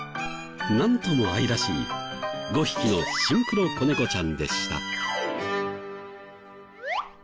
なんとも愛らしい５匹のシンクロ子猫ちゃんでした。